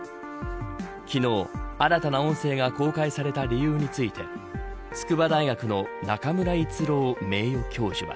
昨日、新たな音声が公開された理由について筑波大学の中村逸郎名誉教授は。